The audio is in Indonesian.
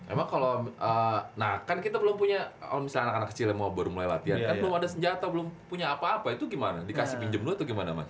emang kalau nah kan kita belum punya misalnya anak anak kecil yang baru mulai latihan kan belum ada senjata belum punya apa apa itu gimana dikasih pinjem dulu atau gimana mas